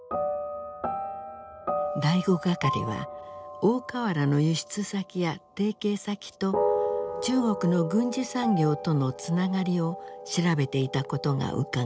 第五係は大川原の輸出先や提携先と中国の軍需産業とのつながりを調べていたことがうかがえる。